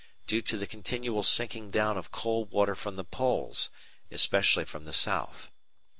due to the continual sinking down of cold water from the Poles, especially from the South.